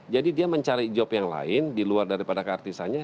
jadi dia mencari job yang lain di luar daripada keartisannya